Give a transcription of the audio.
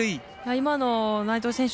今の内藤選手